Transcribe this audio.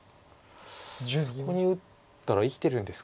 そこに打ったら生きてるんですか。